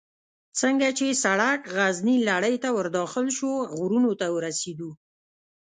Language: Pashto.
څنګه چې سړک غرنۍ لړۍ ته ور داخل شو، غرونو ته ورسېدو.